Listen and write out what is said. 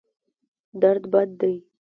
درد بد دی.